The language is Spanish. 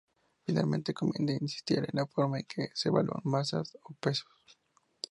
Finalmente, conviene insistir en la forma en que se evalúan masas y pesos.